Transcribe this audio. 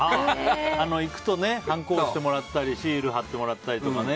あの、行くとはんこ押してもらったりシール貼ってもらったりとかね。